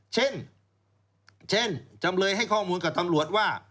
เช่นจำเลยให้ข้อมูลกับตำรวจว่า